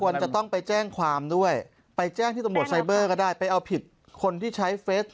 จะต้องไปแจ้งความด้วยไปแจ้งที่ตำรวจไซเบอร์ก็ได้ไปเอาผิดคนที่ใช้เฟส